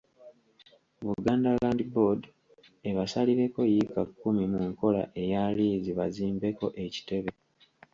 Buganda Land Board ebasalireko yiika kkumi mu nkola eya liizi bazimbeko ekitebe.